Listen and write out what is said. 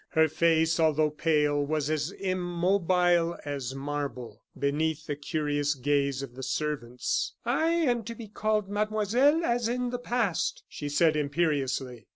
Her face, although pale, was as immobile as marble, beneath the curious gaze of the servants. "I am to be called mademoiselle as in the past," she said, imperiously.